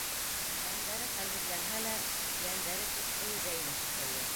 Тәндәре хәлһеҙләнһә лә, йәндәре күктә йөҙә ине шикелле.